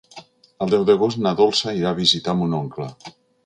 El deu d'agost na Dolça irà a visitar mon oncle.